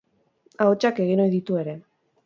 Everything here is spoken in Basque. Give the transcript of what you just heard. Ahotsak egin ohi ditu ere.